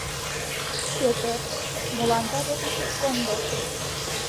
— Пӧтыр, молан ватетым шыч кондо?